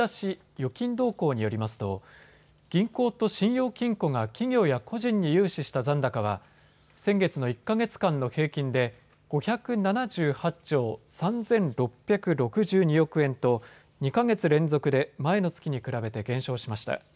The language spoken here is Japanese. ・預金動向によりますと銀行と信用金庫が企業や個人に融資した残高は先月の１か月間の平均で５７８兆３６６２億円と２か月連続で前の月に比べて減少しました。